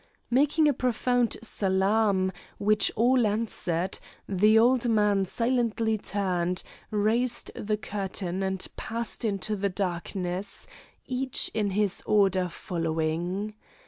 Making a profound salaam, which all answered, the old man silently turned, raised the curtain, and passed into the darkness, each in his order following.